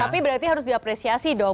tapi berarti harus diapresiasi dong